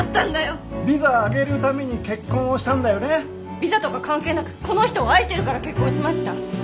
ビザとか関係なくこの人を愛してるから結婚しました。